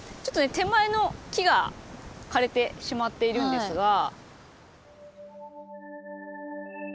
ちょっとね手前の木が枯れてしまっているんですが。